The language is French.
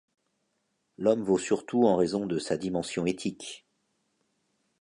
L'homme vaut surtout en raison de sa dimension éthique.